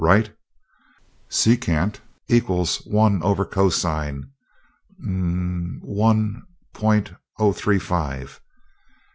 Right? Secant equals one over cosine um m m m one point oh three five.